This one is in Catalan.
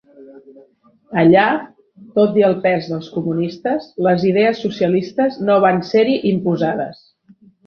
Allà, tot i el pes dels comunistes, les idees socialistes no van ser-hi imposades.